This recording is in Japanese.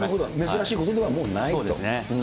珍しいことではもそうですね。